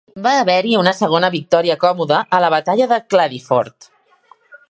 Va haver-hi una segona victòria còmoda a la batalla de Cladyford.